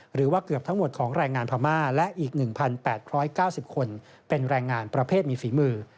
หรือว่าเกือบทั้งหมดของแรงงานพม่าและอีก๑๘๙๐คนเป็นแรงงานประเภทมีฝีมือ